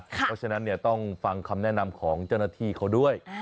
เพราะฉะนั้นต้องฟังคำแนะนำของเจ้าหน้าที่เขาด้วย